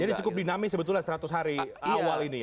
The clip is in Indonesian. jadi cukup dinamis sebetulnya seratus hari awal ini ya